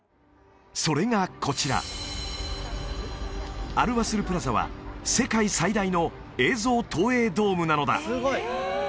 それがこちらアル・ワスル・プラザは世界最大の映像投影ドームなのだ